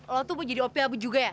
lo tuh mau jadi opi opi juga ya